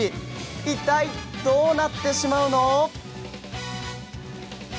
いったいどうなってしまうの？